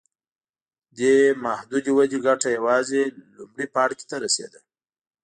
دې محدودې ودې ګټه یوازې لومړي پاړکي ته رسېده.